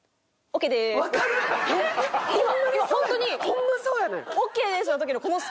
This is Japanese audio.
ホンマそうやねん。